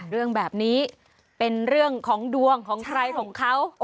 เรื่องแบบนี้เป็นเรื่องของดวงของใครของเขา